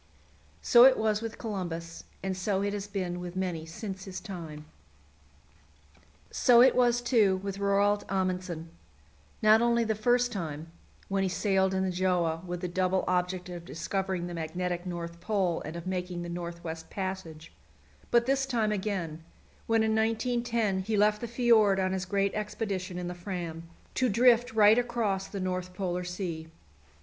So it was with Columbus, and so it has been with many since his time. So it was, too, with Roald Amundsen not only the first time, when he sailed in the Gjöa with the double object of discovering the Magnetic North Pole and of making the North West Passage, but this time again, when in 1910 he left the fjord on his great expedition in the Fram, to drift right across the North Polar Sea.